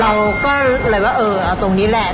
เราก็เลยว่าเออเอาตรงนี้แหละ